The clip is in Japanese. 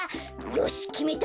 よしきめた！